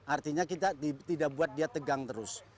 artinya kita tidak buat dia tegang terus